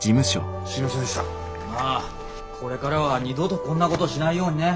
まあこれからは二度とこんなことしないようにね。